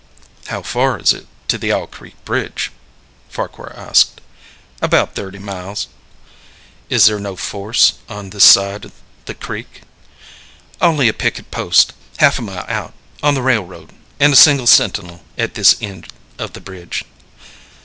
"How far is it to the Owl Creek Bridge?" Farquhar asked. "About thirty miles." "Is there no force on this side the creek?" "Only a picket post half a mile out, on the railroad, and a single sentinel at this end of the bridge."